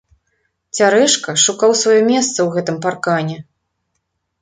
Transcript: Цярэшка шукаў сваё месца ў гэтым паркане.